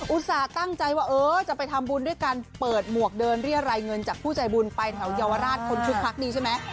อุตส่าห์ตั้งใจว่าเออจะไปทำบุญด้วยการเปิดหมวกเดินเรียรายเงินจากผู้ใจบุญไปแถวเยาวราชคนคึกคักดีใช่ไหม